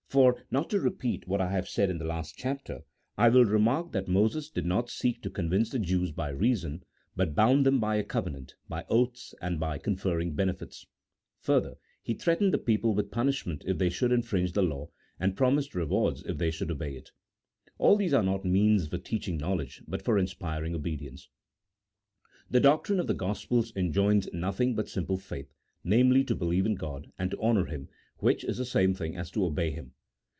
For (not to repeat what I said in the last chapter) I will remark that Moses did not seek to convince the Jews by reason, but bound them by a covenant, by oaths, and by conferring benefits ; further, he threatened the people with punishment if they should infringe the law, and promised rewards if they should obey it. All these are not means for teaching knowledge, but for inspiring obedience. The doctrine of the Gospels enjoins nothing but simple faith, namely, to believe in God and to honour Him, which is the same thing as to obey Him.